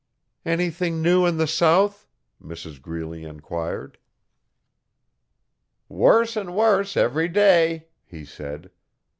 'Anything new in the South?' Mrs Greeley enquired. 'Worse and worse every day,' he said.